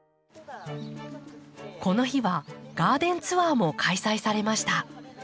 この日はガーデンツアーも開催されました。